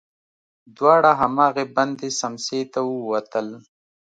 دواړه هماغې بندې سمڅې ته ووتل.